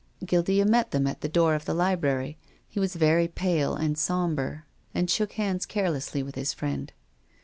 Guildea met them at the door of the library. He was very pale and sombre, and shook hands carelessly with his friend.